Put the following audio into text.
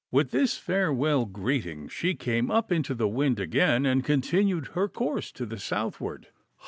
With this farewell greeting she came up into the wind again and continued her course to the southward.